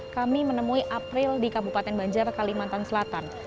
kami menemui april di kabupaten banjar kalimantan selatan